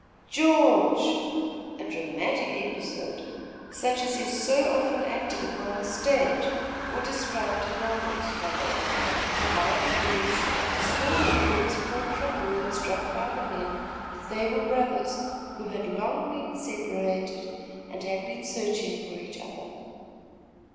"George!" A dramatic episode, such as is so often acted upon the stage, or described in novels, followed, and, by degrees, the small audience caught from words dropped by the men, that they were brothers, who had long been separated, and had been searching for each other.